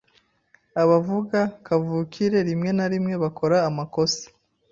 Abavuga kavukire rimwe na rimwe bakora amakosa,